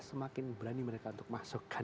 semakin berani mereka untuk masuk